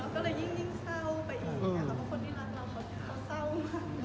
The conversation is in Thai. ก็เลยยิ่งเศร้าไปเองเพราะว่าคนที่รักเราเขาเศร้ามาก